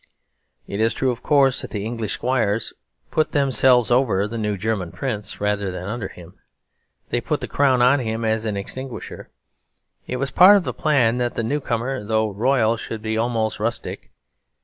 It is true, of course, that the English squires put themselves over the new German prince rather than under him. They put the crown on him as an extinguisher. It was part of the plan that the new comer, though royal, should be almost rustic.